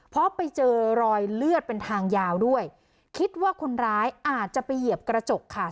เพราะไปเจอรอยเลือดเป็นทางยาวด้วยคิดว่าคนร้ายอาจจะไปเหยียบกระจกค่ะ